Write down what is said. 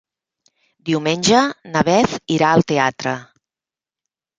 Diumenge na Beth irà al teatre.